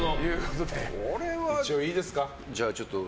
一応、いいですか？